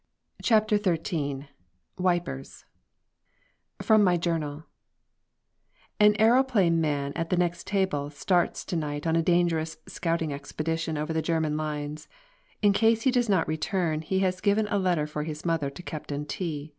CHAPTER XIII "WIPERS" FROM MY JOURNAL: An aëroplane man at the next table starts to night on a dangerous scouting expedition over the German lines. In case he does not return he has given a letter for his mother to Captain T